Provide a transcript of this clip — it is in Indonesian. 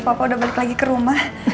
papa udah balik lagi ke rumah